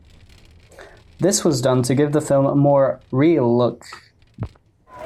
This was done to give the film a more "real look".